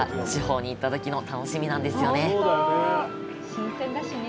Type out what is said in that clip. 新鮮だしね。